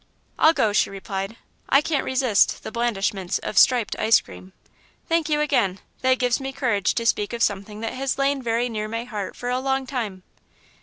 "I'll go," she replied, "I can't resist the blandishments of striped ice cream." "Thank you again; that gives me courage to speak of something that has lain very near my heart for a long time."